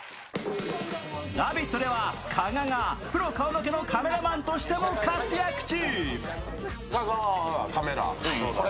「ラヴィット！」では加賀がプロ顔負けのカメラマンとしても活躍中。